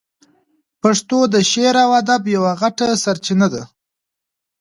پښتو د شعر او ادب یوه غټه سرچینه ده.